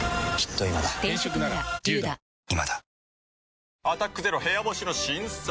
あなたも「アタックＺＥＲＯ部屋干し」の新作。